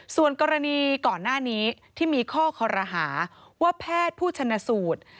ส่วนกรณีก่อนหน้านี้ที่มีข้อคอรหาว่าแพทย์ผู้ชนะสูตร